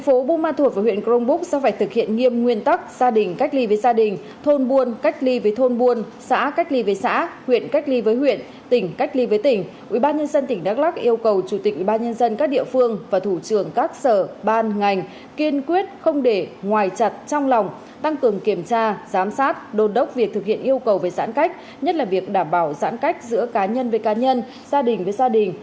ubnd tỉnh đắk lắc yêu cầu chủ tịch ubnd các địa phương và thủ trường các sở ban ngành kiên quyết không để ngoài chặt trong lòng tăng cường kiểm tra giám sát đồn đốc việc thực hiện yêu cầu về giãn cách nhất là việc đảm bảo giãn cách giữa cá nhân với cá nhân gia đình với gia đình